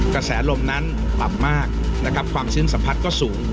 กระแสลมนั้นหลับมากความชื้นสัมผัสก็สูง